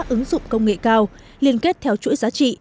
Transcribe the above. ứng dụng công nghệ cao liên kết theo chuỗi giá trị